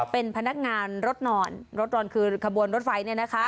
เป็นพนักงานรถนอนรถนอนคือขบวนรถไฟ